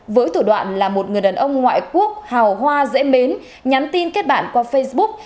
với thủ đoạn là một người đàn ông ngoại quốc hào hoa dễ mến nhắn tin kết bạn qua facebook